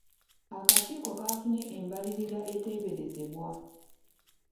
Akakiiko kaafunye embalirira eteeberezebwa.